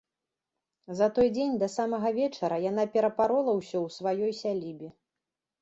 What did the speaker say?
За той дзень, да самага вечара, яна перапарола ўсё ў сваёй сялібе.